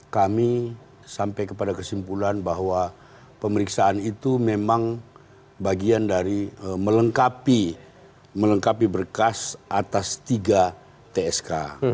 kami sampai kepada kesimpulan bahwa pemeriksaan itu memang bagian dari melengkapi berkas atas tiga tsk